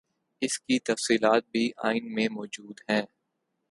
اس کی تفصیلات بھی آئین میں موجود ہیں۔